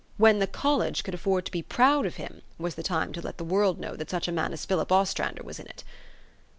When the college could afford to be proud of him was the time to let the world know that such a man as Philip Ostrander was in it.